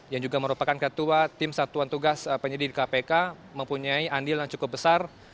yang juga merupakan ketua tim satuan tugas penyidik kpk mempunyai andil yang cukup besar